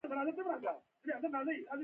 تخم څنګه په نوي نبات بدلیږي؟